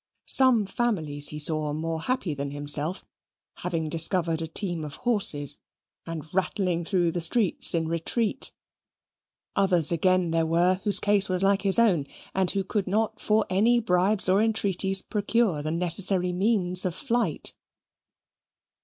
Some families he saw more happy than himself, having discovered a team of horses, and rattling through the streets in retreat; others again there were whose case was like his own, and who could not for any bribes or entreaties procure the necessary means of flight.